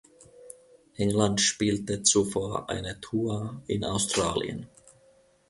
England spielte zuvor eine Tour in Australien.